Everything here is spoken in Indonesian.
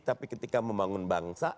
tapi ketika membangun bangsa